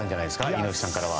猪木さんからは。